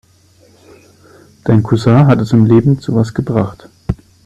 Dein Cousin hat es im Leben zu was gebracht.